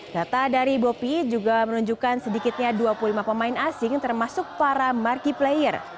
data dari bopi juga menunjukkan sedikitnya dua puluh lima pemain asing termasuk para markiplayer